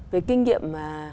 về kinh nghiệm